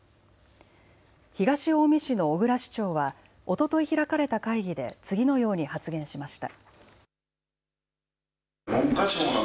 東近江市の小椋市長はおととい開かれた会議で次のように発言しました。